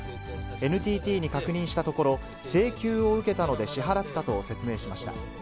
ＮＴＴに確認したところ、請求を受けたので支払ったと説明しました。